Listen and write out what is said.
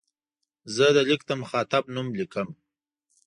زه د لیک د مخاطب نوم لیکم.